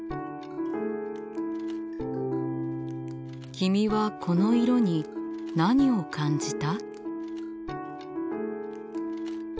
君はこの色に何を感じた？